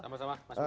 sama sama mas budi